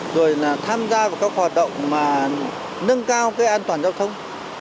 rồi là tham gia vào các hoạt động mà nâng cao cái an toàn giao thông